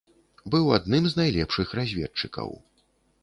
Быў адным з найлепшых разведчыкаў.